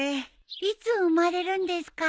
いつ生まれるんですか？